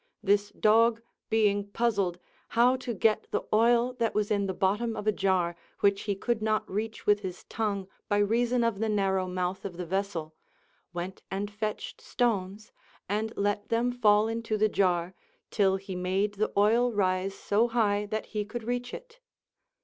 This dog being puzzled how to get the oil that was in the bottom of a jar, which he could not reach with his tongue by reason of the narrow mouth of the vessel, went and fetched stones and let them fall into the jar till he made the oil rise so high that he could reach it.